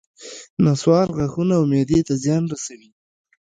نصوار غاښونو او معدې ته زیان رسوي